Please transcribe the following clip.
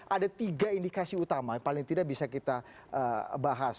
ada tiga indikasi utama yang paling tidak bisa kita bahas